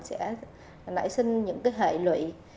sẽ nảy sinh những cái hệ lụy